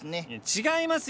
違いますよ！